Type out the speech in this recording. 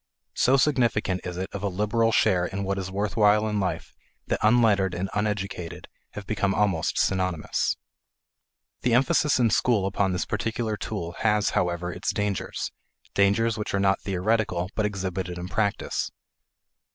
So significant is it of a liberal share in what is worth while in life that unlettered and uneducated have become almost synonymous. The emphasis in school upon this particular tool has, however, its dangers dangers which are not theoretical but exhibited in practice.